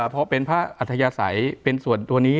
เพราะเป็นพระอัธยาศัยเป็นส่วนตัวนี้